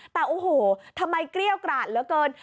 แต่โอ้โหทำไมเกรี้ยวกราดเหลือเกิน